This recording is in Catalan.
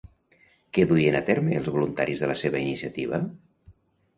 Què duien a terme els voluntaris de la seva iniciativa?